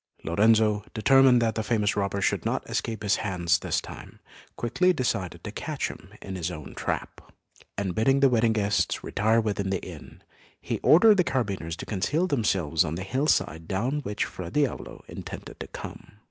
Lorenzo, determined that the famous robber should not escape his hands this time, quickly decided to catch him in his own trap; and bidding the wedding guests retire within the inn, he ordered the carbineers to conceal themselves on the hillside down which Fra Diavolo intended to come.